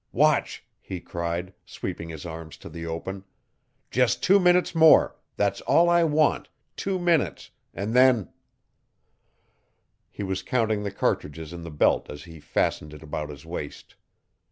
"Watch!" he cried, sweeping his arm to the open. "Just two minutes more. That's all I want two minutes and then " He was counting the cartridges in the belt as he fastened it about his waist.